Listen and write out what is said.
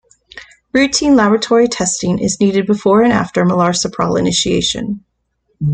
Routine laboratory testing is needed before and after melarsoprol initiation.